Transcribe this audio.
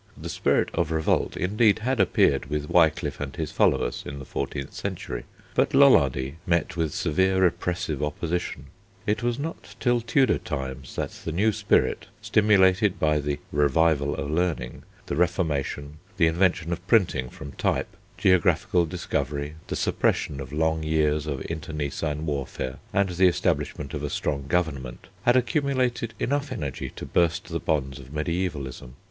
The spirit of revolt indeed had appeared with Wiclif and his followers in the fourteenth century, but Lollardy met with severe repressive opposition. It was not till Tudor times that the new spirit, stimulated by the Revival of Learning, the Reformation, the invention of printing from type, geographical discovery, the suppression of long years of internecine warfare, and the establishment of a strong government, had accumulated enough energy to burst the bonds of mediævalism.